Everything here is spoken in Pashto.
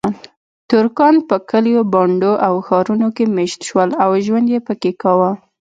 ترکان په کلیو، بانډو او ښارونو کې میشت شول او ژوند یې پکې کاوه.